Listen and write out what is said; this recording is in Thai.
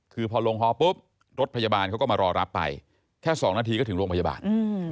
คือพอลงฮอปุ๊บรถพยาบาลเขาก็มารอรับไปแค่๒นาทีก็ถึงโรงพยาบาล